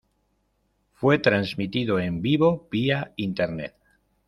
Fue transmitido en vivo vía internet.